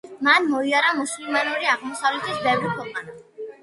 მან მოიარა მუსლიმანური აღმოსავლეთის ბევრი ქვეყანა.